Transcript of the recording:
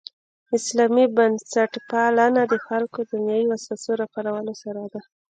اسلامي بنسټپالنه د خلکو دنیوي وسوسو راپارولو سره ده.